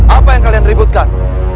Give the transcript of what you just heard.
apa yang kalian ributkan